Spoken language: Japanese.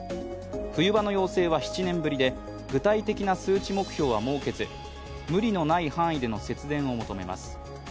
冬場の要請は７年ぶりで具体的な数値目標は設けず無理のない範囲での節電を求めます。